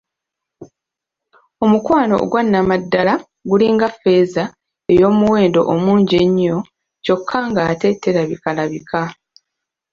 Omukwano ogwa Nnamaddala gulinga ffeeza ey'omuwendo omungi ennyo kyokka ng'ate terabikalabika.